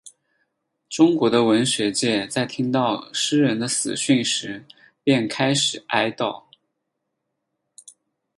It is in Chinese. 中国的文学界在听到诗人的死讯时便开始哀悼。